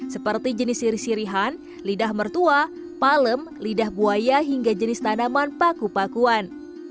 seperti jenis siri sirihan lidah mertua palem lidah buaya hingga jenis tanaman paku pakuan